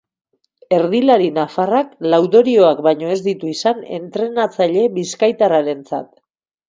Erdilari nafarrak laudorioak baino ez ditu izan entrenatzaile bizkaitarrarentzat.